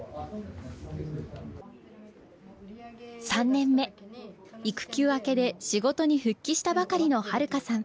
３年目育休明けで仕事に復帰したばかりの悠さん。